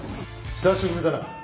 久しぶりだな。